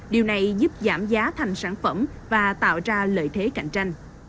điều này giúp giảm giá thành sản phẩm và tạo ra lợi thế cạnh tranh